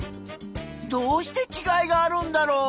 どうしてちがいがあるんだろう？